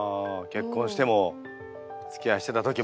結婚してもおつきあいしてた時も。